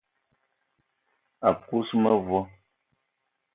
A kuz mevo